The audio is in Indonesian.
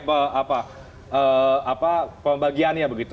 apa pembagiannya begitu